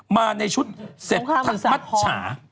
มาในชุดเศรษฐมัตรฉา